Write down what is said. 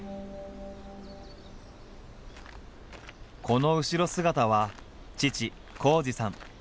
この後ろ姿は父紘二さん。